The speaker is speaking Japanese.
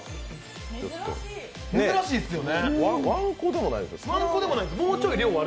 珍しいっすよね。